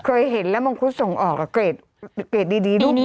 เคยเห็นแล้วมังคุดส่งออกเกรดดีด้วย